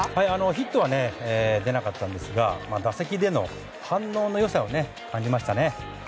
ヒットは出なかったんですが打席での反応の良さを感じましたね。